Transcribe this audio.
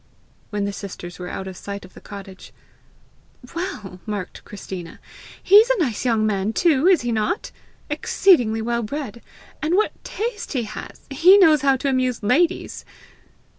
When the sisters were out of sight of the cottage "Well!" remarked Christina, "he's a nice young man too, is he not? Exceedingly well bred! And what taste he has! He knows how to amuse ladies!"